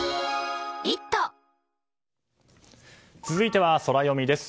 続いてはソラよみです。